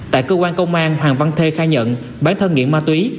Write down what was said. tại cơ quan công an hoàng văn thê khai nhận bản thân nghiện ma túy